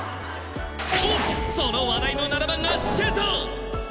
おっその話題の７番がシュート！